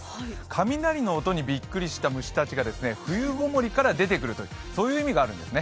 雷の音にびっくりした虫たちが冬ごもりから出てくるという意味があるんですね。